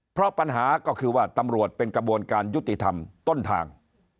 เพราะปัญหาก็คือว่าตำรวจเป็นกระบวนการยุติธรรมต้นทาง